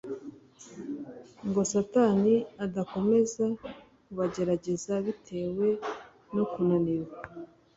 ngo satani adakomeza kubagerageza bitewe no kunanirwa